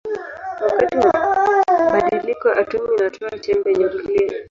Wakati wa badiliko atomi inatoa chembe nyuklia.